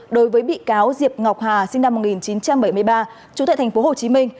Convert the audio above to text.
đối với bị cáo diệp ngọc hà sinh năm một nghìn chín trăm bảy mươi ba chủ tệ tp hồ chí minh